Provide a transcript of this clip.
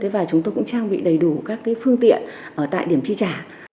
và chúng tôi cũng trang bị đầy đủ các phương tiện ở tại điểm tri trả